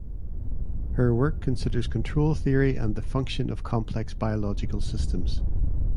Her work considers control theory and the function of complex biological systems.